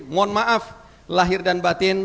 mohon maaf lahir dan batin